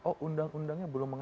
oh undang undangnya belum